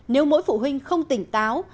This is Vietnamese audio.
nếu mỗi phụ huynh không tỉnh táo